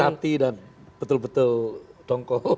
ada yang sakit hati dan betul betul dongkoh